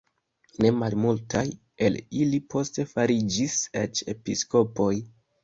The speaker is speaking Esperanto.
Ne malmultaj el ili poste fariĝis eĉ episkopoj.